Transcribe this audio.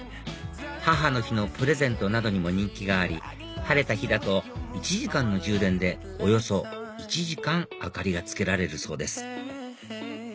母の日のプレゼントなどにも人気があり晴れた日だと１時間の充電でおよそ１時間明かりがつけられるそうです